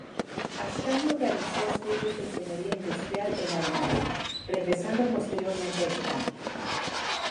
Ascanio realizó estudios de ingeniería industrial en Alemania, regresando posteriormente a España.